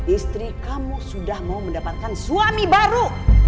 istri kamu sudah mau mendapatkan suami baru